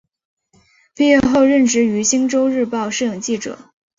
毕业后任职于星洲日报摄影记者。